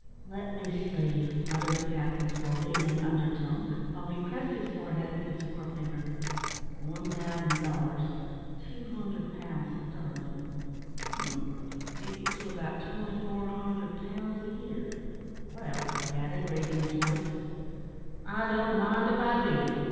"Let me see," muttered the captain slowly, in an under tone, while he pressed his forehead with his fore finger; "one thousand dollars 200 pounds sterling hum, equal to about 2400 pounds a year. Well," he added, raising his voice, "I don't mind if I do.